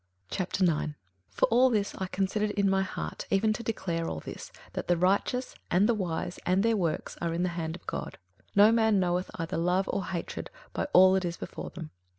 21:009:001 For all this I considered in my heart even to declare all this, that the righteous, and the wise, and their works, are in the hand of God: no man knoweth either love or hatred by all that is before them.